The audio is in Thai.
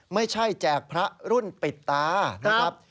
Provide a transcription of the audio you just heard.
ไม่ใช่แจกพระรุ่นปิดตานะครับ